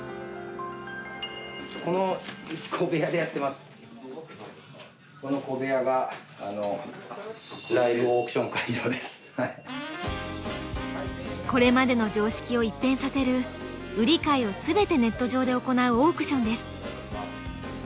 この小部屋がこれまでの常識を一変させる売り買いを全てネット上で行うオークションです。